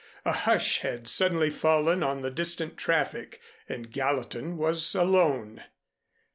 A hush had suddenly fallen on the distant traffic and Gallatin was alone.